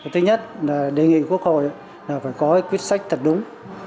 thứ nhất là đề nghị quốc hội là phải có quyết sách thật đúng